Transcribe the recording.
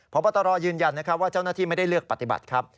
พบตรยืนยันว่าเจ้าหน้าที่ไม่ได้เลือกปฏิบัติครับ